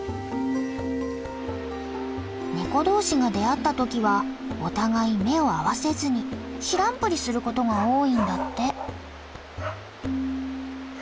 ネコ同士が出会った時はお互い目を合わせずに知らんぷりすることが多いんだって。